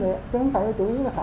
chứ không phải là chủ yếu là sản xuất